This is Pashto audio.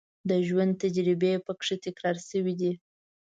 د ژوند تجربې په کې تکرار شوې دي.